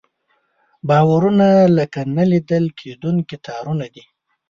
باورونه لکه نه لیدل کېدونکي تارونه دي.